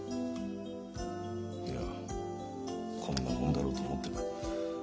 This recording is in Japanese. いやこんなものだろうと思ってる。